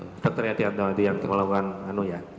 dokter adianto yang melakukan wawancara